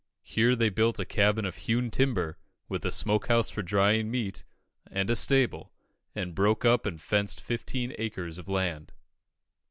Here they built a cabin of hewn timber, with a smoke house for drying meat, and a stable, and broke up and fenced fifteen acres of land.